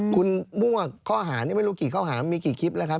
คุณมั่วข้อหานี่ไม่รู้กี่ข้อหามีกี่คลิปแล้วครับ